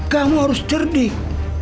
kamu harus cerdik